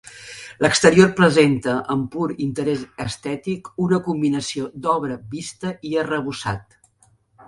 L'exterior presenta, amb pur interès estètic, una combinació d'obra vista i arrebossat.